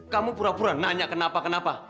kamu pura pura nanya kenapa kenapa